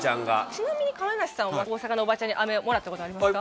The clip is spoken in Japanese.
ちなみに亀梨さんは大阪のオバちゃんにアメをもらったことありますか？